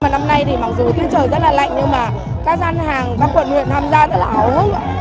năm nay thì mặc dù tương trời rất là lạnh nhưng mà các dân hàng các quận huyện tham gia rất là ấu hức